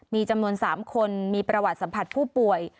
มีจำนวน๓คนมีประวัติสัมผัสผู้ป่วย